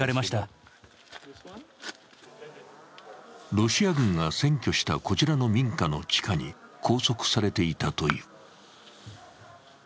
ロシア軍が占拠したこちらの民家の地下に拘束されていたという。